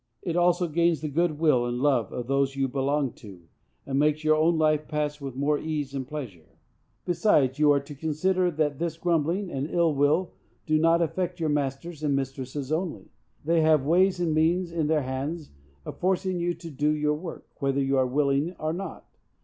It also gains the good will and love of those you belong to, and makes your own life pass with more ease and pleasure. Besides, you are to consider that this grumbling and ill will do not affect your masters and mistresses only. They have ways and means in their hands of forcing you to do your work, whether you are willing or not.